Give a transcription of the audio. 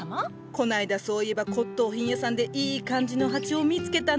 こないだそういえば骨董品屋さんでいい感じの鉢を見つけたのよ。